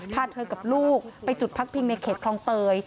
พาเธอกับลูกไปจุดพักพิงในเขตคลองเตย